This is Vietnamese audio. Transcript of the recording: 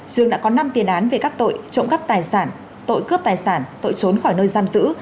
dương đã có năm tiền án về các tội trộm cắp tài sản tội cướp tài sản tội trốn khỏi nơi giam giữ